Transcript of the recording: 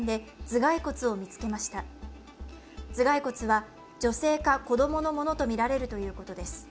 頭蓋骨は女性か子供のものとみられるということです。